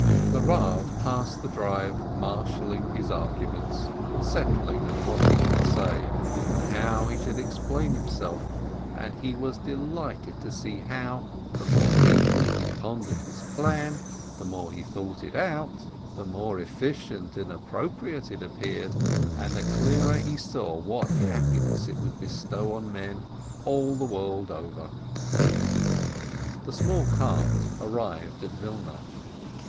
The Rav passed the drive marshalling his arguments, settling on what he should say, and how he should explain himself, and he was delighted to see how, the more deeply he pondered his plan, the more he thought it out, the more efficient and appropriate it appeared, and the clearer he saw what happiness it would bestow on men all the world over. The small cart arrived at Wilna.